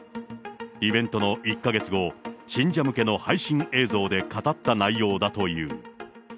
イベントの１か月後、信者向けの配信映像で語った内容だという。